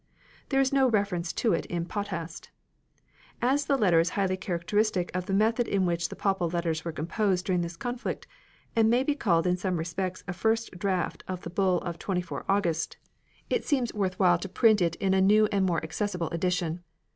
There is no reference to it in Potthast. As the letter is highly characteristic of the method in which the papal letters were composed during this conflict, and may be called in some respects a first draft of the Bull of 24 August, it seems worth while to (40 42 APPENDIX print it in a new and more accessible edition.